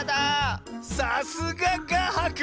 さすががはく！